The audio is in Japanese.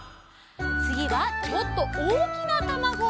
つぎはちょっとおおきなたまご！